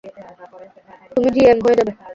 তুমি জিএম হয়ে যাবে।